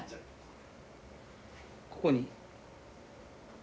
ここに。